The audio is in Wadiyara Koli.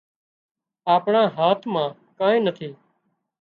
آپڻا هاٿ مان ڪانئين نٿي